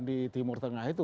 di timur tengah itu